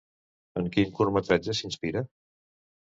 En quin curtmetratge s'inspira?